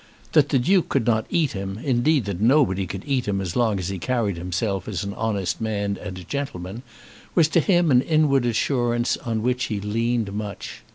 That the Duke could not eat him, indeed that nobody could eat him as long as he carried himself as an honest man and a gentleman, was to him an inward assurance on which he leaned much.